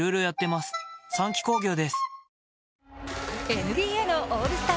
ＮＢＡのオールスター